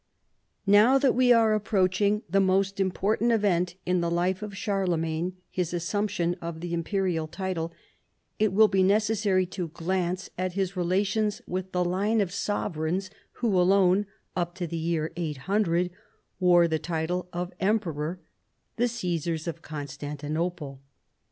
Now that we are approaching the most important event in the life of Charlemagne, his assumption of the imperial title, it will be necessary to glance at his relations with the line of sovereigns who alone up to the year 800 wore the title of Emperor, the Caesars of Constantinople.